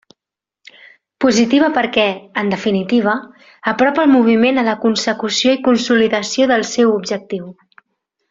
Positiva perquè, en definitiva, apropa el moviment a la consecució i consolidació del seu objectiu.